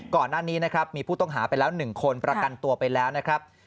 ก่อนหน้านี้นะครับมีผู้ต้องหาไปแล้ว๑คนประกันตัวไปแล้วนะครับ